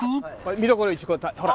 見どころほら。